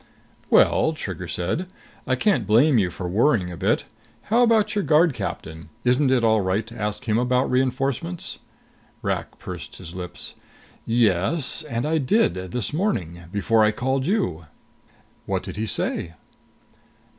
"Well," Trigger said, "I can't blame you for worrying a bit. How about your Guard Captain? Isn't it all right to ask him about reinforcements?" Rak pursed his lips. "Yes. And I did. This morning. Before I called you." "What did he say?"